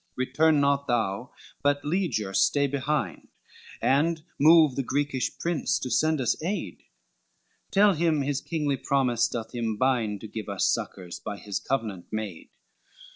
LXX "Return not thou, but Legier stay behind, And move the Greekish Prince to send us aid, Tell him his kingly promise doth him bind To give us succors, by his covenant made."